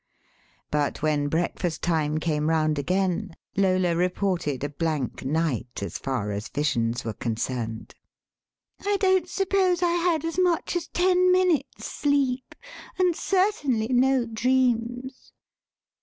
But when breakfast time came round again Lola reported a blank night as far as visions were concerned. "I don't suppose I had as much as ten minutes' sleep, and, certainly, no dreams."